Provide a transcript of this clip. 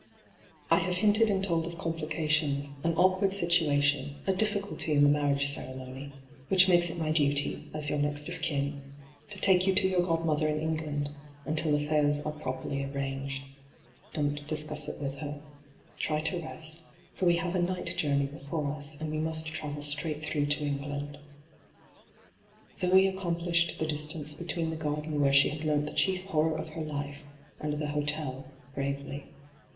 ' I have hinted and told of complications, an awkward situa tion, a difSculty in the marriage ceremony, which makes it my duty, as your next of kin, to take you to your godmother in England until affairs are properly arranged. Don't , C<H)^le ENTRAPPED 247 discuss it with her. Try to rest, for we have a night journey before ua, and we must travel straight through to England.' Zoe accomphshed the distance between the garden where she had learnt the chief horror of her life, and the hotel, bravely.